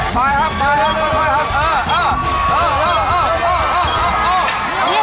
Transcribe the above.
ไปครับไปครับเร็วเร็ว